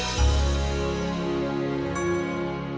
aku akan lakukan apa yang harus aku lakukan